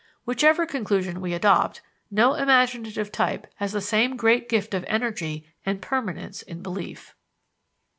Whichever conclusion we adopt, no imaginative type has the same great gift of energy and permanence in belief.